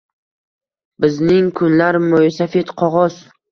Bizning kunlar “moʼysafid qogʼoz”